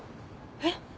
えっ？